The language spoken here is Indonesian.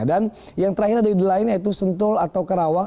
dan yang terakhir ada di lain yaitu sentul atau kerawang